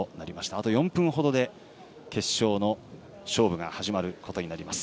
あと４分ほどで決勝の勝負が始まることになります。